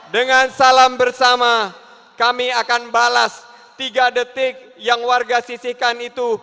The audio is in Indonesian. dengan salam bersama kami akan balas tiga detik yang warga sisihkan itu